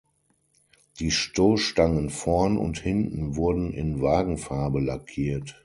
Die Stoßstangen vorn und hinten wurden in Wagenfarbe lackiert.